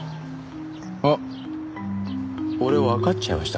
あっ俺わかっちゃいました。